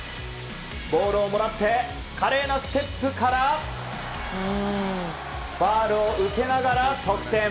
ボールをもらって華麗なステップからファウルを受けながら得点。